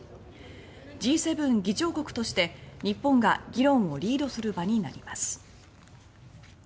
Ｇ７議長国として日本が議論をリードする場になります。